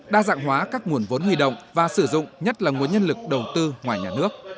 đa dạng hóa các nguồn vốn huy động và sử dụng nhất là nguồn nhân lực đầu tư ngoài nhà nước